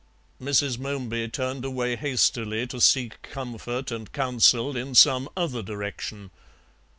Mrs. Momeby turned away hastily to seek comfort and counsel in some other direction.